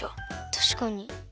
たしかに。